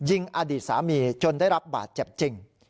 อดีตสามีจนได้รับบาดเจ็บจริง